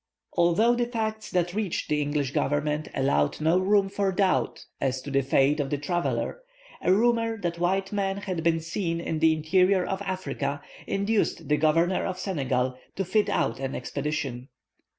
Although the facts that reached the English Government allowed no room for doubt as to the fate of the traveller, a rumour that white men had been seen in the interior of Africa induced the Governor of Senegal to fit out an expedition.